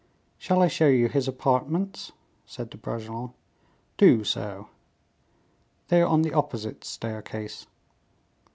"Shall I show you his apartments?" said De Bragelonne. "Do so." "They are on the opposite staircase."